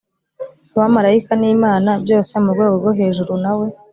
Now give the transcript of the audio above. abamarayika n'imana, byose murwego rwo hejuru, nawe